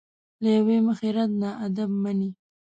له یوې مخې رد نه ادب مني.